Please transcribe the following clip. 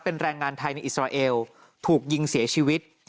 เป็นแรงงานไทยในอิสราเอลถูกยิงเสียชีวิต